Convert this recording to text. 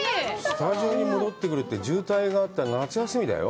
スタジオに戻ってくるって渋滞があったら、夏休みだよ。